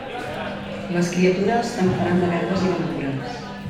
Les criatures te'n faran de verdes i de madures.